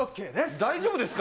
大丈夫ですか？